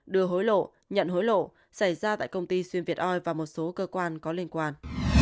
đưa hối lộ nhận hối lộ xảy ra tại công ty xuyên việt oi và một số cơ quan có liên quan